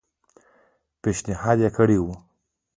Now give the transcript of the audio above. پېشنهاد کړی وو.